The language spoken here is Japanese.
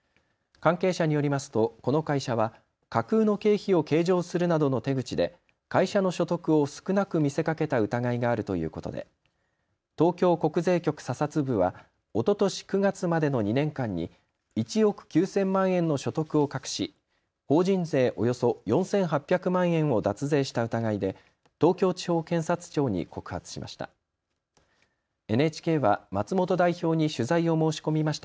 関係者によりますとこの会社は架空の経費を計上するなどの手口で会社の所得を少なく見せかけた疑いがあるということで東京国税局査察部はおととし９月までの２年間に１億９０００万円の所得を隠し法人税およそ４８００万円を脱税した疑いで東京地方検察庁に告発しました。